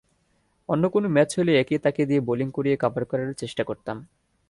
অন্য কোনো ম্যাচ হলে একে-তাকে দিয়ে বোলিং করিয়ে কাভার করার চেষ্টা করতাম।